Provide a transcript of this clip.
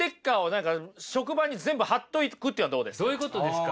どういうことですか？